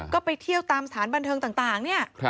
ก็ไปเที่ยวตามสถานบันเทิงต่างเนี่ย